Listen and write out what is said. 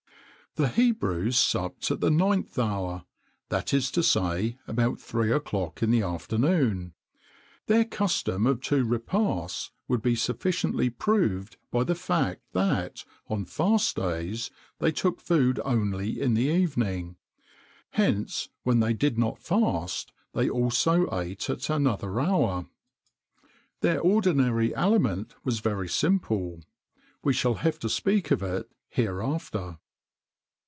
The Hebrews supped at the ninth hour, that is to say, about three o'clock in the afternoon.[XXIX 51] Their custom of two repasts would be sufficiently proved by the fact that, on fast days, they took food only in the evening.[XXIX 52] Hence, when they did not fast, they also eat at another hour. Their ordinary aliment was very simple; we shall have to speak of it hereafter.